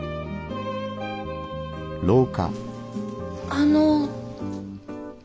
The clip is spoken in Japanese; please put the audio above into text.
あの。